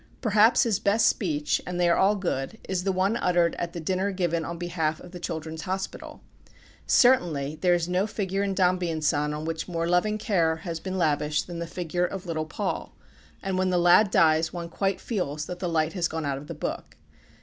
Perhaps his best speech, and they all are good, is the one uttered at the dinner given on behalf of the Children's Hospital. Certainly there is no figure in "Dombey and Son" on which more loving care has been lavished than the figure of little Paul, and when the lad dies one quite feels that the light has gone out of the book.